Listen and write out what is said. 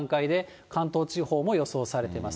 朝の９時の段階で関東地方も予想されています。